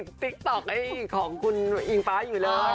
ไม่ฉันก็ติกต่อไอของคุณอี้งป้าอยู่เลย